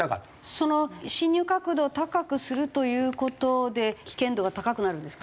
その進入角度を高くするという事で危険度が高くなるんですか？